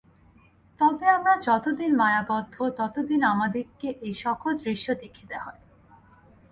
তবে আমরা যতদিন মায়াবদ্ধ, ততদিন আমাদিগকে এই-সকল দৃশ্য দেখিতে হয়।